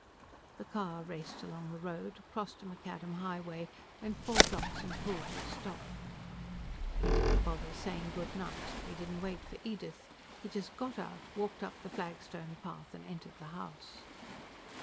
The car raced along the road, crossed a macadam highway, went four blocks and pulled to a stop. He didn't bother saying good night. He didn't wait for Edith. He just got out and walked up the flagstone path and entered the house.